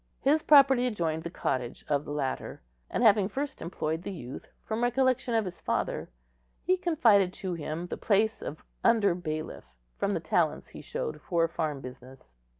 His property adjoined the cottage of the latter; and, having first employed the youth from recollection of his father, he confided to him the place of under bailiff from the talents he showed for farm business.